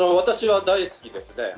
私は大好きですね。